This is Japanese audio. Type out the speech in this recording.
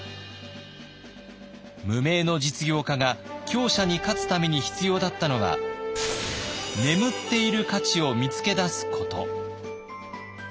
無名の実業家が強者に勝つために必要だったのは眠っている価値を見つけ出すこと。